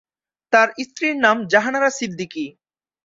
তার স্ত্রীর নাম জাহানারা সিদ্দিকী।